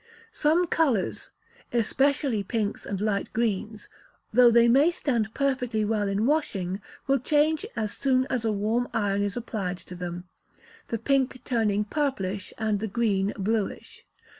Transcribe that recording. Some colours (especially pinks and light greens), though they may stand perfectly well in washing, will change as soon as a warm iron is applied to them; the pink turning purplish, and the green bluish.